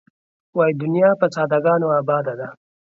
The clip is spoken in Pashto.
وایې دنیا په ساده ګانو آباده ده.